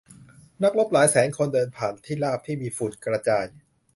นักรบหลายแสนคนเดินผ่านที่ราบที่มีฝุ่นกระจาย